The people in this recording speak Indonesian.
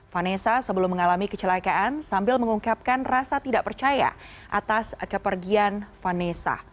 vanessa sebelum mengalami kecelakaan sambil mengungkapkan rasa tidak percaya atas kepergian vanessa